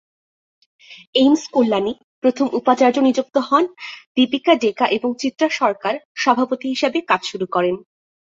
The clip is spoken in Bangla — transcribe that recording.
এইমস কল্যাণী প্রথম উপাচার্য নিযুক্ত হন দীপিকা ডেকা এবং চিত্রা সরকার সভাপতি হিসাবে কাজ শুরু করেন।